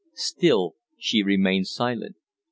Still she remained silent.